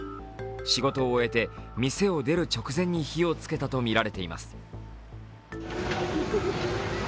仕事を終えて店を出る直前に火を付けたとみられています。